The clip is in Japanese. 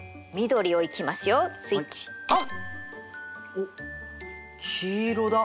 おっ黄色だ。